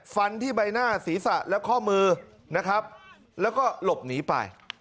ฟันที่ใบหน้าศีรษะและข้อมือนะครับแล้วก็หลบหนีไป